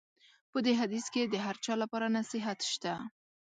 په دې حدیث کې د هر چا لپاره نصیحت شته.